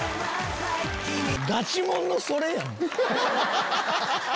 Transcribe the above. ガチもんのそれやん！